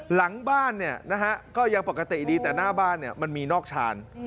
หลังบ้านเนี่ยนะฮะก็ยังปกติดีแต่หน้าบ้านมันมีนอกชาน